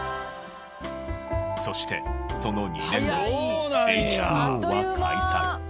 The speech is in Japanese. そしてその２年後Ｈ２Ｏは解散。